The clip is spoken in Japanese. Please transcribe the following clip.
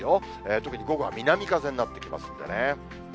特に午後は南風になってきますんでね。